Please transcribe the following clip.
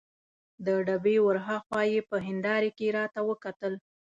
د ډبې ور هاخوا یې په هندارې کې راته وکتل.